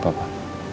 saya yang antar ya